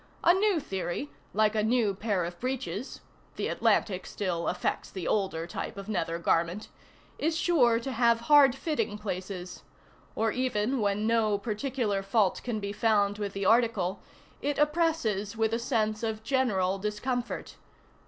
A new theory, like a new pair of breeches, ("The Atlantic" still affects the older type of nether garment,) is sure to have hardfitting places; or even when no particular fault can be found with the article, it oppresses with a sense of general discomfort.